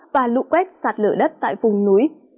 và lụ quét sạt lửa đất tại vùng núi